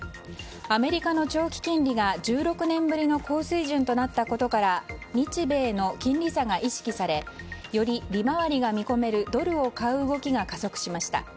アメリカの長期金利が１６年ぶりの高水準となったことから日米の金利差が意識されより利回りが見込めるドルを買う動きが加速しました。